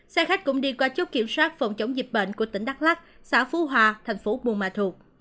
xe khách cũng đi qua chốt kiểm soát phòng chống dịch bệnh của tỉnh đắk lắc xã phú hòa thành phố buôn ma thuột